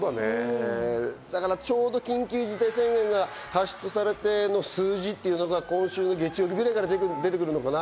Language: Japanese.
ちょうど緊急事態宣言が発出されての数字というのが今週の月曜日くらいから出てくるのかな？